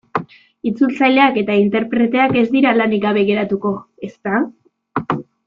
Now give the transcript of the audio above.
Itzultzaileak eta interpreteak ez dira lanik gabe geratuko, ezta?